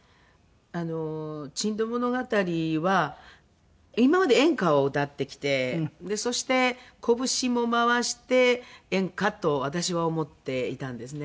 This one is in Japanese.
あの『珍島物語』は今まで演歌を歌ってきてそしてこぶしも回して演歌と私は思っていたんですね。